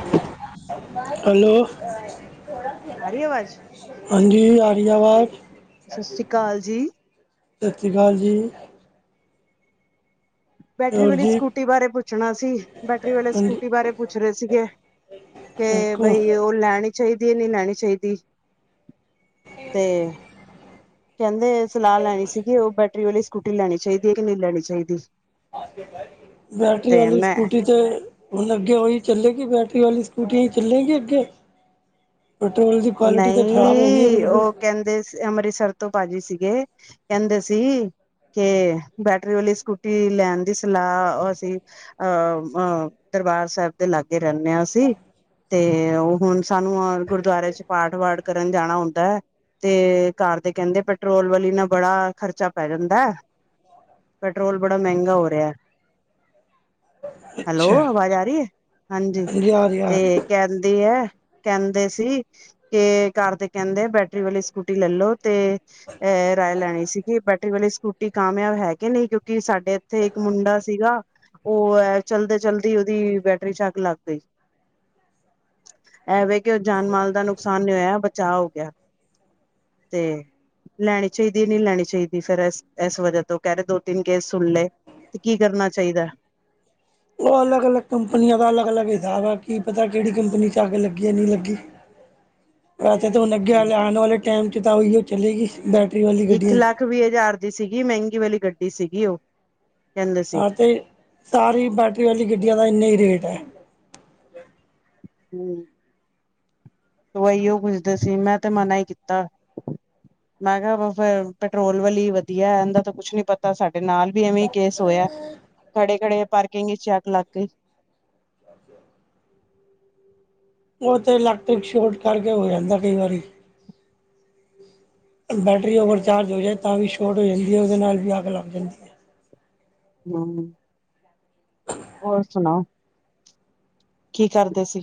Hello hello ਆ ਰਹੀ ਆਵਾਜ਼ ਹਾਂਜੀ ਆਰੀ ਆਵਾਜ਼ ਸਤਿ ਸ੍ਰੀ ਅਕਾਲ ਜੀ ਸਤਿ ਸ਼੍ਰੀ ਅਕਾਲ ਜੀ। ਬੈਟਰੀ ਹੋਰ ਵਾਲੀ ਜੀ ਸਕੂਟੀ ਬਾਰੇ ਪੁੱਛਣਾ ਸੀ ਬੈਟਰੀ ਵਾਲੇ ਹਾਂਜੀ ਸਕੂਟੀ ਬਾਰੇ ਪੁੱਛ ਰਹੇ ਸੀਗੇ। ਕੇ ਇੱਕ ਬਈ ਉਹ ਲੈਣੀ ਚਾਹੀਦੀ ਹੈ ਨਹੀਂ ਲੈਣੀ ਚਾਹੀਦੀ ਤੇ ਕਹਿੰਦੇ ਸਲਾਹ ਲੈਣੀ ਸੀਗੀ ਉਹ ਬੈਟਰੀ ਵਾਲੀ ਸਕੂਟੀ ਲੈਣੀ ਚਾਹੀਦੀ ਹੈ ਕਿ ਨਹੀਂ ਲੈਣੀ ਚਾਹੀਦੀ। ਬੈਟਰੀ ਤੇ ਵਾਲੀ ਮੈਂ ਸਕੂਟੀ ਤੇ ਹੁਣ ਅੱਗੇ ਉਹੀ ਚੱਲੇਗੀ ਬੈਟਰੀ ਵਾਲੀ ਸਕੂਟੀ ਹੀ ਚੱਲੇਗੀ ਅੱਗੇ ਪੈਟਰੋਲ ਦੀ ਕੁਆਲਿਟੀ ਤਾਂ ਖ਼ਰਾਬ ਹੋ ਗਈ ਆ ਨਹੀਂ ਬਿਲਕੁਲ ਉਹ ਕਹਿੰਦੇ ਅੰਮ੍ਰਿਤਸਰ ਤੋਂ ਭਾਜੀ ਸੀਗੇ ਕਹਿੰਦੇ ਸੀ। ਕੇ ਬੈਟਰੀ ਵਾਲੀ ਸਕੂਟੀ ਲੈਣ ਦੀ ਸਲਾਹ ਅਸੀਂ ਅਹਂ -ਅਹਂ ਦਰਬਾਰ ਸਾਹਿਬ ਦੇ ਲਾਗੇ ਰਹਿੰਦੇ ਹਾਂ ਅਸੀਂ ਤੇ ਉਹ ਹੁਣ ਸਾਨੂੰ ਗੁਰਦੁਆਰੇ 'ਚ ਪਾਠ ਵਾਠ ਕਰਨ ਜਾਣਾ ਹੁੰਦਾ। ਤੇ ਘਰ ਦੇ ਕਹਿੰਦੇ ਪੈਟਰੋਲ ਵਾਲੀ ਨਾਲ ਬੜਾ ਖਰਚਾ ਪੈ ਜਾਂਦਾ। ਪੈਟਰੋਲ ਬੜਾ ਮਹਿੰਗਾ ਹੋ ਰਿਹਾ। ਹੈਲੋ ਅੱਛਾ ਅਵਾਜ਼ ਆ ਰਹੀ ਹੈ ਹਾਂਜੀ ਆ ਰਹੀ ਆ ਤੇ ਰਹੀ ਕਹਿੰਦੀ ਹੈ ਕਹਿੰਦੇ ਸੀ ਕਿ ਕਰ ਦੇ ਕਹਿੰਦੇ ਬੈਟਰੀ ਵਾਲੀ ਸਕੂਟੀ ਲੱ ਲੋ ਤੇ ਅਹ ਰਾਏ ਲੈਣੀ ਸੀਗੀ ਬੈਟਰੀ ਵਾਲੀ ਸਕੂਟੀ ਕਾਮਯਾਬ ਹੈ ਕਿ ਨਹੀਂ ਕਿਉਂਕਿ ਸਾਡੇ ਇਥੇ ਇੱਕ ਮੁੰਡਾ ਸੀਗਾ। ਉਹ ਹੈ ਚਲਦੇ ਚਲਦੀ ਉਹਦੀ ਬੈਟਰੀ 'ਚ ਅੱਗ ਲੱਗ ਗਈ। ਐ ਵੇ ਕਿ ਉਹ ਜਾਨ ਮਾਲ ਦਾ ਨੁਕਸਾਨ ਨਹੀਂ ਹੋਇਆ ਬਚਾਅ ਹੋ ਗਿਆ। ਤੇ ਲੈਣੀ ਚਾਹੀਦੀ ਨਹੀਂ ਲੈਣੀ ਚਾਹੀਦੀ ਫਿਰ ਇਸ ਵਜ੍ਹਾ ਤੋਂ ਕਹਿ ਰਹੇ ਦੋ ਤਿੰਨ ਕੇਸ ਸੁਣ ਲਏ। ਤੇ ਕੀ ਕਰਨਾ ਚਾਹੀਦਾ। ਉਹ ਅਲੱਗ -ਅਲਗ ਕੰਪਨੀਆਂ ਦਾ ਅਲਗ- ਅਲੱਗ ਹਿਸਾਬਵਾ ਕਿ ਪਤਾ ਕਿਹੜੀ ਕੰਪਨੀ 'ਚ ਅੱਗ ਲੱਗੀ ਜਾਂ ਨਹੀਂ ਲੱਗੀ। [unintelligible] ਵੈਸੇ ਤਾਂ ਹੁਣ ਲੱਗੇੇ ਆਣ ਵਾਲੇ ਟਾਈਮ 'ਚ ਤਾਂ ਉਹੀ ਚਲੇਗੀ ਬੈ ਇੱਕ ਲੱਖ ਵੀਹ ਹਜ਼ਾਰ ਦੀ ਸੀਗੀ ਮਹਿੰਗੀ ਵਾਲੀ ਗੱਡੀ ਸੀਗੀ ਉਹ ਕਹਿੰਦੇ ਸੀ ਹਾਂ ਅਤੇ ਸਾਰੀ ਬੈਟਰੀ ਵਾਲੀ ਗੱਡੀਆਂ ਦਾ ਇੰਨਾ ਹੀ ਰੇਟ ਹੈ। ਹੂੰ ਉਹ ਇਉ ਪੁੱਛਦੇ ਸੀ ਮੈਂ ਤੇ ਮਨਾ ਹੀ ਕੀਤਾ। ਮੈਂ ਕਿਹਾ ਫਿਰ ਪੈਟਰੋਲ ਵਾਲੀ ਵਧੀਆ ਇਹਦਾ ਤਾਂ ਕੁਛ ਨੀ ਪਤਾ ਸਾਡਾ ਨਾਲ ਵੀ ਐਵੇਂ ਕੇਸ ਹੋਇਆ ਖੜੇ- ਖੜੇ ਪਾਰਕਿੰਗ ਵਿਚ ਅਗ ਲੱਗ ਗਈ। ਉਹ ਤਾਂ ਇਲੈਕਟ੍ਰਿਕ ਸ਼ੋਟ ਕਰਕੇ ਹੋ ਜਾਂਦਾ ਕਈ ਵਾਰੀ ਬੈਟਰੀ, ਓਵਰਚਾਰਜ ਹੋ ਜਾਏ ਤਾਂ ਵੀ, ਸ਼ੋਰਟ ਹੋ ਜਾਂਦੀ ਹੈ ਉਹਦੇ ਨਾਲ ਵੀ, ਅੱਗ ਲੱਗ ਜਾਂਦੀ ਹੈ। ਹਮ ਹੋਰ ਸੁਣਾਓ? ਕੀ ਕਰਦੇ ਸੀ?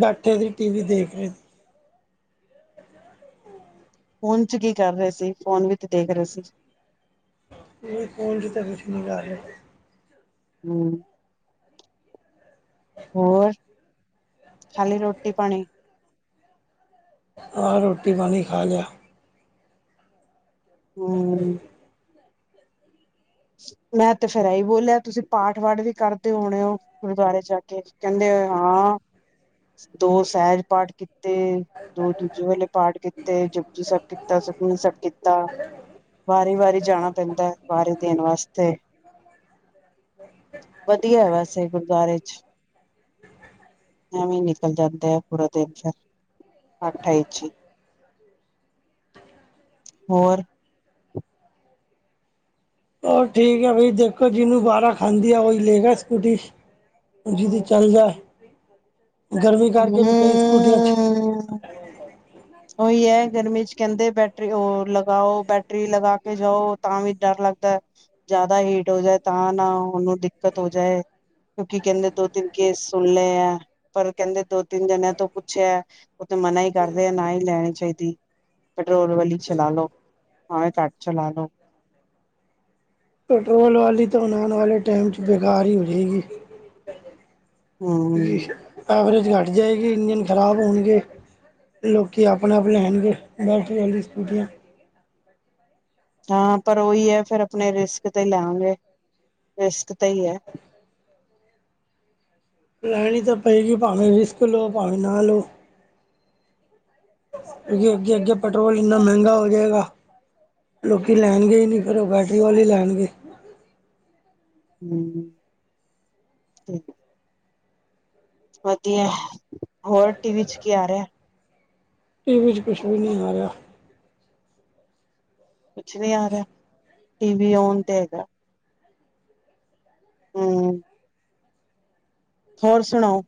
ਫੈਕਟਰੀ ਟੀ ਵੀ ਦੇਖ ਰਹੇ। ਫੋਨ ਚ, ਕੀ ਕਰ ਰਹੇ ਸੀ। ਫੋਨ ਵਿੱਚ ਦੇਖ ਰਹੇ ਸੀ। ਕੋ ਫੋਲ [unintelligible] [inaudible] ਹਮ ਹੋਰ ਖਾਲੀ ਰੋਟੀ ਪਾਣੀ? ਆਹ, ਰੋਟੀ ਪਾਣੀ ਖਾ ਲਿਆ। ਹਮ, ਮੈਂ ਤੇ ਫੇਰ ਇਹੀ ਬੋਲਿਆ, ਤੁਸੀਂ ਪਾਠ- ਵਾਠ ਵੀ, ਕਰਦੇ ਹੋਣੇ ਹੋ? ਗੁਰਦੁਆਰੇ ਜਾ ਕੇ, ਕਹਿੰਦੇ ਹਾਂ, ਦੋ ਸਹਿਜ ਪਾਠ ਕੀਤੇ। ਦੋ ਦੂਜੇ ਆਲੇ ਪਾਠ ਕੀਤੇ ਜਪੁਜੀ ਸਾਹਿਬ, ਕੀਤਾ ਸੁਖਮਨੀਸਾਹਿਬ, ਸਭ ਕੀਤਾ। ਵਾਰੀ- ਵਾਰੀ ਜਾਣਾ ਪੈਂਦਾ ਹੈ, ਵਾਰੀ ਦੇਣ ਵਾਸਤੇ ਵਧੀਆ, ਵੈਸੇ ਗੁਰਦੁਆਰੇ ਚ ਐਵੇਂ ਨਿਕਲ ਜਾਂਦੇ ਆ, ਪੂਰਾ ਦਿਨ ਫਿਰ ਅੱਠਾਈ ਚ ਹ [inaudible] ਹੋਰ ਉਹ ਠੀਕ ਆ, ਬ ਦੇਖੋ ਜਿਹਨੂੰ ਵਾਰਾ ਖਾਂਦੀ ਆ, ਉਹੀ ਲਏਗਾ ਸਕੂਟੀ ਜਿਦੀ ਚੱਲ ਜਾਏ, ਗਰਮੀ ਕਰਕੇ ਵੀ ਕਈ, ਸਕੂਟੀਆਂ ਚ ਹਮ [unintelligible] [unintelligible] ਉਹੀ ਹੈ, ਗਰਮੀ ਚ ਕਹਿੰਦੇ, ਬੈਟਰੀ ਹੋਰ ਲਗਾਓ, ਬੈਟਰੀ ਲਗਾ ਕੇ ਜਾਓ। ਤਾਂ ਵੀ ਡਰ ਲੱਗਦਾ, ਜ਼ਿਆਦਾ ਲੇਟ ਹੋ ਜਾਏ ਤਾਂ, ਉਹਨੂੰ ਦਿੱਕਤ ਹੋ ਜਾਏ। ਕਿਉਂਕਿ ਕਹਿੰਦੇ, ਦੋ ਤਿੰਨ ਕੇਸ ਸੁਣਲੇ ਆ। ਪਰ ਕਹਿੰਦੇ, ਦੋ ਤਿੰਨ ਜਣਿਆਂ ਤੋਂ ਪੁੱਛਿਆ? ਉਹ ਤੇ ਮਨਾ ਹੀ ਕਰਦੇ ਆ ਨਾ ਹੀ, ਲੈਣੀ ਚਾਹੀਦੀ। ਪੈਟਰੋਲ ਵਾਲੀ, ਚਲਾ ਲੋ ਭਾਵੇਂ ਵੇ ਘੱਟ ਚਲਾ ਲੋ। ਪੈਟਰੋਲ ਵਾਲੀ ਤਾਂ ਆਉਣ ਵਾਲੇ ਟਾਈਮ ਚ, ਬੇਕਾਰ ਹੀ ਹੋ ਜਾਵੇਗੀ। ਹਮ ਐਵਰੇਜ, ਘੱਟ ਜਾਏਗੀ ਇੰਜਣ ਖ਼ਰਾਬ ਹੋਣਗੇ। ਲੋਕੀ ਆਪਣੇ -ਆਪਣੇ ਹੈਣਗੇ ਬੈਠ ਹੁੰਦੀ ਸਕੂਟੀਆਂ। ਹਾਂ ਪਰ ਉਹੀ ਹੈ, ਫੇਿਰ ਆਪਣੇ ਰਿਸਕ, ਤੇ ਲਿਆਂਗੇ ਰਿਸਕ ਤੇ ਹੀ ਹੈ। ਲੈਣੀ ਤਾਂ ਪਏਗੀ, ਭਾਵੇਂ ਰਿਸਕ ਲੋ ਹੋ ਭਾਵੇਂ ਨਾ ਲੋਂ। ਅਗੇ, ਅੱਗੇ- ਅੱਗੇ ਪੈਟਰੋਲ, ਇੰਨਾ ਮਹਿੰਗਾ ਹੋ ਜਾਏਗਾ। ਲੋਕ ਲੈਣਗੇ ਹੀ ਨਹੀਂ, ਫਿਰ ਉਹ ਬੈਟਰੀ, ਵਾਲੀ ਲੈਣਗੇ। ਹਮ ਠੀਕ, ਵਧੀਆ, ਹੋਰ ਟੀਵੀ ਚ ਕੀ ਆ ਰਿਹਾ? ਟੀ ਵੀ ', ਕੁਛ ਵੀ ਨਹੀਂ ਆ ਰਿਹਾ। ਕੁਛ ਨੀ ਆ ਰਿਹਾ, ਟੀ ਵੀ ਔਨ ਤੇ ਹੈਗਾ। ਹਮ ਹੋਰ ਸੁਣਾਓਂ?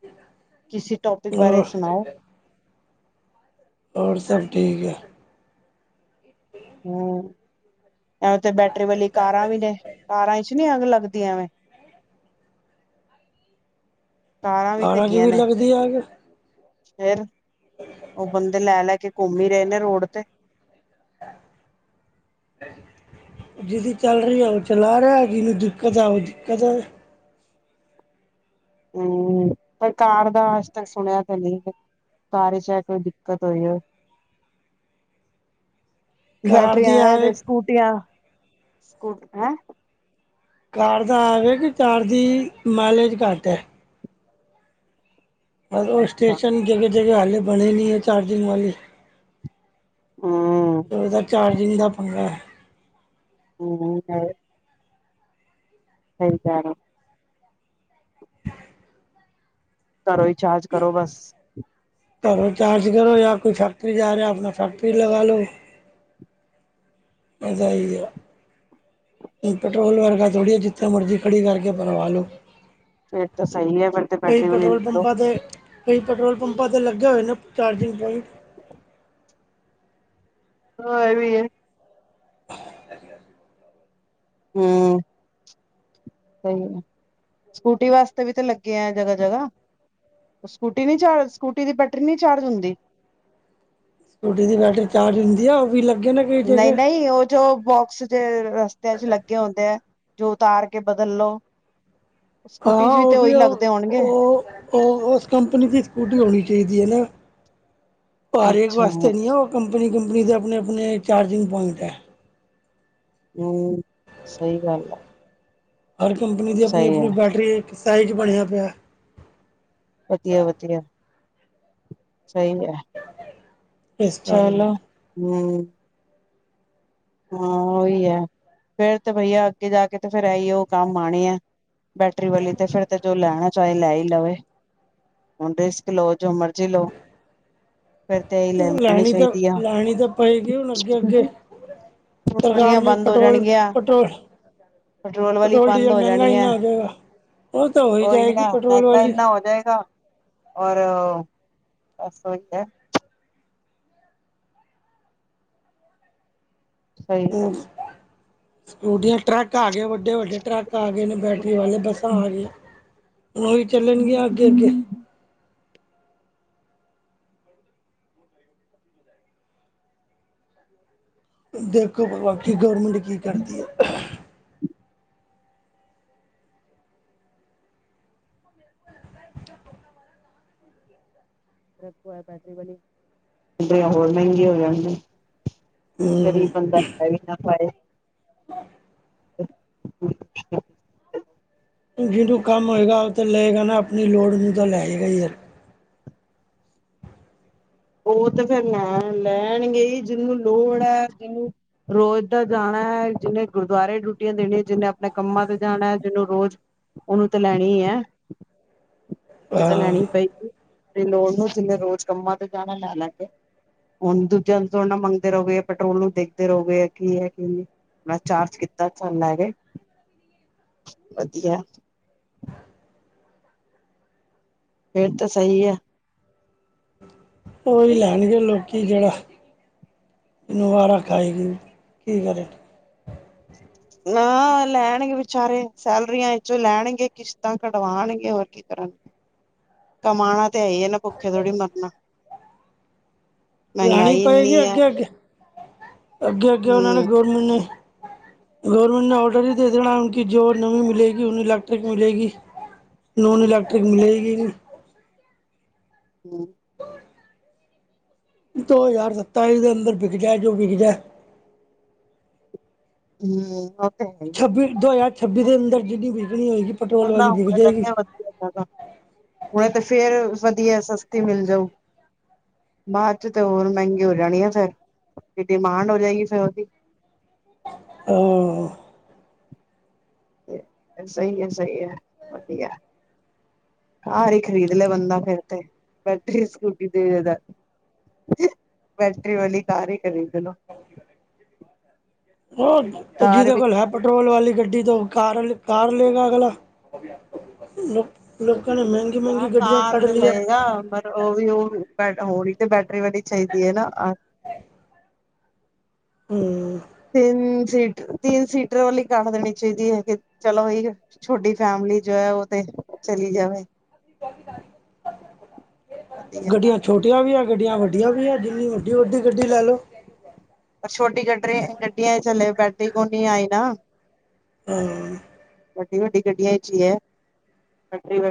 ਕਿਦਾ [inaudible] ਕਿਸੀ, ਟੋਪਿਕ ਬਾਰੇ ਸੁਣਾਓ? ਹੋਰ ਸਭ ਠੀਕ ਹੈ। ਇ [inaudible] ਹਮ ਐਵੇ ਤੇ ਬੈਟਰੀ, ਵਾਲੀ ਕਾਰਾਂ ਵੀ ਨੇ, ਕਾਰਾਂ ਵਿੱਚ, ਨੀ ਅੱਗ ਲੱਗਦੀਆਂਵੇਂ ਕਾਰਾਂ ਕਾਰਾ ਚ ਵੀ, ਲੱਗਦੀ ਅੱਗ। ਫਿਰ, ਉਹ ਬੰਦੇ ਲੈ-ਲੈ ਕੇ ਘੁੰਮ, ਹੀ ਰਹੇ ਨੇ ਰੋਡ ਤੇ, [inaudible] ਜਿਹਦੀ ਚੱਲ ਰਹੀ ਹੈ, ਉਹ ਚਲਾ ਰਿਹਾ ਜਿਹਨੂੰ ਦਿੱਕਤ ਆ, ਉਹ ਦਿੱਕਤ ਆ ਹਮ ਪਰ ਕਾਰ ਦਾ, ਅੱਜ ਤੱਕ ਸੁਣਿਆ ਤੇ ਨਹੀਂ ਹੈ ਸਾਰੇ 'ਚ ਹੈ ਕੋਈ ਦਿੱਕਤ ਹੋਈਓ। ਕਾਰ ਦੀ ਬੈਟਰੀਆਂ ਆਵੇ ਤੇ ਸਕੂਟੀਆਂ ਸਕ ਕਾਰ ਦਾ ਆਵੇ ਕਿ ਕਾਰ ਦੀ ਮਾਈਲੇਜ ਘੱਟ ਹੈ। ਉਹ ਅੱਛਾ ਸਟੇਸ਼ਨ ਜ੍ਹ ਜਗ੍ਹਾ ਹਾਲੇ ਬਣੇ ਨ ਚਾਰਜਿੰਗ ਵਾਲੀ ਹਾਂ ਉਹਦਾ ਚਾਰਜਿੰਗ ਦਾ ਪੰਗਾ ਹੈ। ਹਮ। ਹ ਜਾਾਰ ਘਰੋ ਹੀ ਚਾਰਜ ਕਰੋ ਬਸ। ਘਰੋ ਆਪ ਚਾਰਜ ਕਰੋ ਜਾਂ ਰ ਕੋਈ ਫੈਕਟਰੀ ਜਾ ਰਿਹਾ ਆਪਣਾ ਫੈਕਟਰੀ ਲਗਾ ਲਓ। ਅ ਹੀਗਾ। ਪੈਟਰੋਲ ਵਰਗਾ ਥੋੜ੍ਹੀ ਹੈ ਜਿੱਥੇ ਮਰਜ਼ੀ ਖੜੀ ਕਰਕੇ ਭਰਵਾ ਲਉ। ਫਿਰ ਤਾਂ ਸਹੀ ਹੈ ਫਿਰ ਤੇ ਬੈਟਰੀ ਵਾਲੀ ਪੈਟਰੋਲ ਲਲੋ। ਪੰਪਾਂ ਤੇ ਕਈ ਪੈਟਰੋਲ ਪੰਪਾਂ 'ਤੇ ਲੱਗੇ ਹੋਏ ਨੇ ਚਾਰਜਿੰਗ ਪੁਆਇੰਟ। ਹਾਂ ਇਹ ਵੀ ਹੈ। ਹਮ। ਸਹੀ ਹੈ ਸਕੂਟੀ ਵਾਸਤੇ ਵੀ ਤੇ ਲੱਗੇ ਆ ਜਗ੍ਹਾ ਜਗ੍ਹਾ। ਸਕੂਟੀ ਨੀ ਚਾਰਜ ਸਕੂਟੀ ਦੀ ਬੈਟਰੀ ਨੀ ਚਾਰਜ ਹੁੰਦੀ। ਤੁਹਾਡੀੇ ਦੀ ਬੈਟਰੀ ਚਾਰਜ ਹੁੰਦੀ ਆ ਉਹ ਵੀ ਲੱਗੇ ਨੇ ਕਈ ਨਹੀਂ ਜਗ੍ਹਾ ਨਹੀਂ ਉਹ ਜੋ ਬੋਕਸ ਜ ਰਸਤਿਆਂ ਚ ਲੱਗੇ ਹੁੰਦੇ ਆ ਜੋ ਉਤਾਰ ਕੇ ਬਦਲ ਲੋੋ। ਹਾਂ ਉਹ ਵੀ ਹੋਣਗੇ। ਉਹ। ਉਹ ਉਸ ਕੰਪਨੀ ਦੀ ਸਕੂਟੀ ਹੋਣੀ ਚਾਹੀਦੀ ਇਹ ਨ ਹਰ ਏਕ ਅੱਛਾ ਵਾਸਤੇ ਨਹੀਂ ਹੈ ਉਹ। ਕੰਪਨੀ ਕੰਪਨੀ ਦੇ ਆਪਣੇ ਆਪਣੇ ਚਾਰਜਿੰਗ ਪੁਆਇੰਟ ਹੈ। ਹਮ ਸਹੀ ਗੱਲ ਆ। ਹਰ ਕੰਪਨੀ ਦੀ ਆਪਣੀ ਸਹੀ ਹੈ ਆਪਣੀ ਬੈਟਰੀ ਇੱਕ ਸਾਈਜ ਬਣਿਆ ਪਿਆ। ਵਧੀਆ ਵਧੀਆ। ਸਹੀ ਹੈ ਇਸ ਕਾਰਨ ਚਲੋ ਹਮ। ਹਾਂ ਉਹੀ ਹੈ ਫੇਰ ਤੇ ਬਈਆ ਅੱਗੇ ਜਾ ਕੇ ਤੇ ਫੇਿਰ ਇਹੀ ਉਹ ਕੰਮ ਆਉਣੇ ਆ। ਬੈਟਰੀ ਵਾਲੀ ਤੇ ਫਿਰ ਤੇ ਜੋ ਲੈਣਾ ਚਾਹੇ ਲੈ ਹੀ ਲਵੇ ਹੁਣ ਰਿਸਕ ਲੋ। ਜੋ ਮਰਜ਼ੀ ਲਓ। ਫਿਰ ਤੇ ਲੈ ਲੈਣੀ ਤਾਂ ਚਾਹੀਦੀ ਆ। ਲੈਣੀ ਤਾਂ ਪਏਗੀ ਹੁਣ ਅੱਗੇ ਅੱਗੇ ਵਾਲੀਆ ਸਰਕਾਰ ਨੇ ਬੰਦ ਹੋ ਪੈਟਰੋਲ ਜਾਣਗੀਆਂ। ਪੈਟਰੋਲ ਪੈਟਰੋਲ ਵਾਲੀ ਬੰਦ ਡੀਜ਼ਲ ਹੋ ਮਹਿੰਗਾ ਜਾਣੀ ਹੈ। ਇੰਨਾ ਹੋ ਜਾਏਗਾ ਉਹ ਤਾਂ ਹੋ ਹੀ ਉਹੀ ਜਾਏਗੀ ਨਾ ਪੈਟਰੋਲ ਮਹਿੰਗਾ ਵਾਲੀ ਇੰਨਾ ਹੋ ਜਾਏਗਾ। ਔਰ ਬਸ ਉਹੀ ਹੈ। ਸਹੀ ਗੱਲ ਹੈ। ਸਕੂਟੀਆਂ ਟਰੱਕ ਆ ਗਏ ਵੱਡੇ ਵੱਡੇ ਟਰੱਕ ਆ ਗਏ ਨੇ ਬੈਟਰੀ ਵਾਲੇ ਬੱਸਾਂ ਆ ਗਈਆਂ। ਹੋ ਵੀ ਚੱਲਣਗੀਆਂ ਅੱਗੇ ਅੱਗੇ। ਦੇਖੋ ਬਾਕੀ ਗੌਰਮੈਂਟ ਕੀ ਕਰਦੀ ਹੈ‌। ਬੈਟਰੀ ਵਾਲੀ ਬੈਟਰੀਆਂ ਹੋਰ ਮਹਿੰਗੀਆਂ ਹੋ ਜਾਣਗੀਆਂ। ਗਰੀਬ ਬੰਦਾ ਲੈ ਵੀ ਨਾ ਪਾਏ। ਹਾਂ। [unintelligible] ਜਿਹਨੂੰ ਕੰਮ ਹੋਏਗਾ ਉਹ ਤਾਂ ਲਏਗਾ ਨਾ ਆਪਣੀ ਲੋੜ ਨੂੰ ਤਾਂ ਲੈਏਗਾ ਹੀ ਯਾਰ। ਉਹ ਤੇ ਫਿਰ ਲੈ ਲੈਣਗੇ ਜਿਹਨੂੰ ਲੋੜ ਹੈ ਜਿਹਨੂੰ ਰੋਜ਼ ਦਾ ਜਾਣਾ ਹੈ ਜਿਹਨੇ ਗੁਰਦੁਆਰੇ ਡਿਊਟੀਆਂ ਦੇਣੀਆਂ ਜਿਹਨੇ ਆਪਣੇ ਕੰਮਾਂ ਤੇ ਜਾਣਾ ਜਿਹਨੂੰ ਰੋਜ਼ ਉਹਨੂੰ ਤਾਂ ਲੈਣੀ ਹੈ। ਹੁਣ ਤਾਂ ਲੈਣੀ ਹਾਂ ਪਏ ਗੀ ਤੇ ਲੋੜ ਨੂੰ ਜਿਨੇ ਰੋਜ਼ ਕੰਮਾਂ ਤੇ ਜਾਣਾ ਲੈ ਲੈ ਕੇ। ਹੁਣ ਦੂਜਿਆਂ ਨੂੰ ਥੋੜੀ ਨਾਲ ਮੰਗਦੇ ਰਹੋਗੇ ਪੈਟਰੋਲ ਨੂੰ ਦੇਖਦੇ ਰਹੋਗੇ ਕੀ ਹੈ ਕੀ ਨਹੀਂ। ਮੈਂ, ਚਾਰਜ ਕੀਤਾ ਤੁਹਾਨੂੰ ਲੈ ਕੇ ਵਧੀਆ। ਫਿਰ, ਤਾਂ ਸਹੀ ਹੈ। ਉਹੀ ਲੈਣਗੇ, ਲੋਕੀ ਜਿਹੜਾ ਜਿਨੂੰ ਵਾਰਾ ਖਾਏਗੀ, ਕੀ ਕਰੇ? ਨਾ, ਲੈਣਗੇ ਵਿਚਾਰੇ ਸੈਲਰੀਆਂ ਵਿਚੋਂ ਲੈਣਗੇ, ਕਿਸ਼ਤਾਂ ਕਢਵਾਉਣਗੇ ਹੋਰ ਕੀ। ਕੀ ਕਰਨ, ਕਮਾਉਣਾ ਤੇ ਹੈ ਹੀ ਇਹਨ ਭੁੱਖੇ ਥੋੜੀ ਮਰਨਾ। ਲੈਣੀ ਮਹਿੰਗਾਈ ਇੰਨੀ ਪਏਗੀ ਆ। ਅੱਗੇ ਅੱਗੇ ਅੱਗੇ, ਅੱਗੇ ਉਹਨਾਂ ਨੇ ਗੌਰਮੈਂਟ ਨੇ ਗਵਰਮੈਂਟ ਨੇ ਔਰਡਰ ਹੀ ਦੇ ਦੇਣਾ, ਜੋ ਨਵੀਂ ਮਿਲੇਗੀ ਉਹਨੂੰ ਇਲੈਕਟ੍ਰਿਕ ਮਿਲੇਗੀ। ਨੋਨ ਇਲੈਕਟ੍ਰਿਕ, ਮਿਲੇਗੀ ਨਹੀਂ। ਹਮ। ਹ [unintelligible] ਦੋ ਹਜ਼ਾਰ ਸਤਾਈ, ਦੇ ਅੰਦਰ ਵਿਕ ਜਾਏ ਜੋ ਵਿਕ ਜਾਏ। ਹਮ, ਓ ਤੇ ਹੈ। ਦੋ ਹਜ਼ਾਰ ਛੱਬੀ ਦੇ ਅੰਦਰ ਜਿੰਨੀ ਵਿਕਣੀ ਹੋਏਗੀ ਪੈਟਰੋਲ ਵਾਲੀ ਵਿਕ ਜਾਏਗੀ। ਹੁਣ ਤੇ ਫੇਰ, ਵਧੀਆ ਸਸਤੀ ਮਿਲ ਜਾਊ। ਬਾਅਦ ਚ ਤੇ ਹੋਰ ਮਹਿੰਗੇ ਹੋ ਜਾਣੀ ਆ, ਫੇਰ ਤੇ ਡਿਮਾਂਡ ਹੋ ਜਾਏਗੀ ਫਿਰ ਉਹਦੀ ਹ। ਤੇ ਸਹੀ ਹੈ, ਸਹੀ ਹੈ ਵਧੀਆ। ਹ ਹੀ ਖਰੀਦ ਲਿਆ ਬੰਦਾ ਫੇਿਰ ਤੇ, ਬੈਠਰੀ ਸਕੂਟੀ ਦੇ ਬੈਟਰੀ ਵਾਲੀ, ਕਾਰ ਹੀ ਖਰੀਦ ਲੋ। ਉਹ ਕਾਰ ਜਿਹਦੇ ਕੋਲ ਵਿੱਚ ਹੈ, ਪੈਟਰੋਲ ਵਾਲੀ ਗੱਡੀ ਤੋਂ ਕਾਰ ਕਾਰ ਲਏਗਾ ਅਗਲਾ। ਲੋਕ ਲੋਕਾਂ ਨੂੰ [unintelligible] ਹਾਂ, ਤਾਂ ਤੇ ਲਏਗਾ, ਉਹ ਵੀ ਉਹ ਹੋਣੀ ਤੇ ਬੈਟਰੀ ਵਾਲੀ ਚਾਹੀਦੀ ਹੈ ਨਾ। ਹੂੰ ਤਿੰਨ ਸੀਟ। ਤਿੰਨ ਸੀਟਰ ਵਾਲੀ ਕਾਰ ਲੈਂਣੀ ਚਾਹੀਦੀ ਹੈ, ਕਿ ਚਲੋ ਹੀ ਛੋਟੀ ਫੈਮਿਲੀ ਜੋ ਹੈ, ਉਹ ਤੇ ਚੱਲੀ ਜਾਵੇ। ਵਧੀਆ ਗੱਡੀਆਂ ਛੋਟੀਆਂ ਵੀ ਆ ਗੱਡੀਆਂ, ਵੱਡੀਆਂ ਵੀ ਆ, ਜਿੰਨੀ ਮਰਜੀ ਵੱਡੀ ਗੱਡੀ ਲੈ ਲਓ। ਪਰ ਛੋਟੀ ਗੱਡੀਆਂ ਚ ਹਲੇ, ਬੈਟਰੀ ਕੋਨੀ ਆਈ ਨਾ। ਹਾਂ। ਵੱਡੀ ਵੱਡੀ ਗੱਡੀਆਂ ਇਹ ਚ ਹੈ, ਤਕਰੀਬਨ।